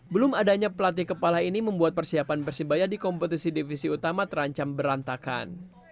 belum adanya pelatih kepala ini membuat persiapan persebaya di kompetisi divisi utama terancam berantakan